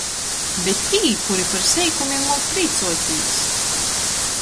Bet tī, kuri par seikumim muok prīcuotīs!...